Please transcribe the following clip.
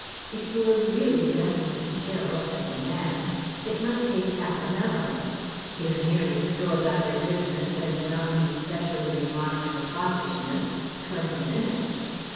If you were really dressing to kill (as a man) it might take half an hour; if merely to go about your business and not be specially remarked for foppishness, twenty minutes.